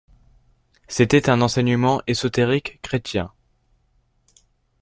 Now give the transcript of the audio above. C'était un enseignement ésotérique chrétien.